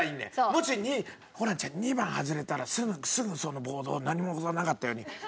もし２ホランちゃん２番外れたらすぐそのボード何もなかったように投げて！